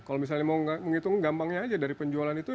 kalau misalnya mau menghitung gampangnya aja dari penjualan itu